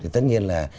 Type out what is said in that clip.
tất nhiên là